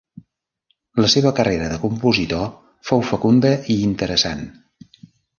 La seva carrera de compositor fou fecunda i interessant.